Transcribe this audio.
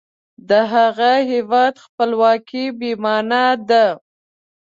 د هغه هیواد خپلواکي بې معنا ده.